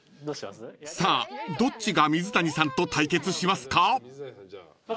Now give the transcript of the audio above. ［さあどっちが水谷さんと対決しますか？］